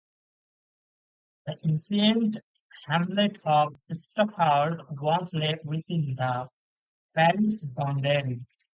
The ancient hamlet of Stockholt once lay within the parish boundary.